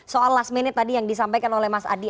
soal last minute tadi yang disampaikan oleh mas adi